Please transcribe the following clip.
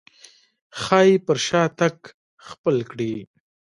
ښايي پر شا تګ خپل کړي.